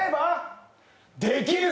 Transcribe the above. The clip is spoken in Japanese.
できる！